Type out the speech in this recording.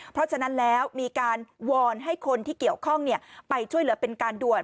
เพราะฉะนั้นแล้วมีการวอนให้คนที่เกี่ยวข้องไปช่วยเหลือเป็นการด่วน